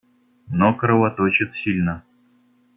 Но кровоточит сильно.